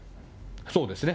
そうですね。